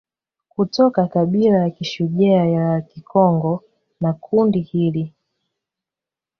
Kutoka kabila ya kishujaa ya Kikongo na kundi hili